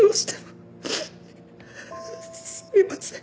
すいません。